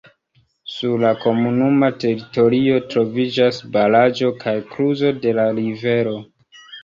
Sur la komunuma teritorio troviĝas baraĵo kaj kluzo de la rivero.